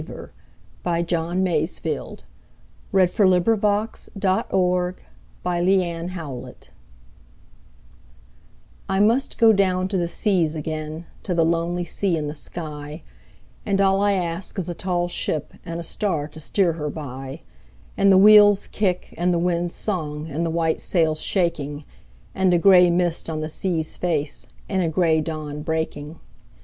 C D . E F . G H . I J . K L . M N . O P . Q R . S T . U V . W X . Y Z Sea Fever I MUST down to the seas again, to the lonely sea and the sky, And all I ask is a tall ship and a star to steer her by, And the wheel's kick and the wind's song and the white sail's shaking, And a gray mist on the sea's face, and a gray dawn breaking.